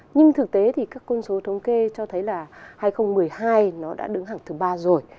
nhưng thực tế thì các con số thống kê cho thấy là hai nghìn một mươi hai nó đã đứng hẳng thứ ba rồi